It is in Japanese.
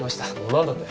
なんだって？